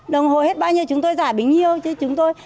đồng hồ hết bao nhiêu chúng tôi giả bình yêu chứ chúng tôi